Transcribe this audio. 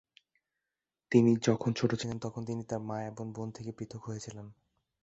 তিনি যখন ছোট ছিলেন তখন তিনি তার মা এবং বোন থেকে পৃথক হয়েছিলেন।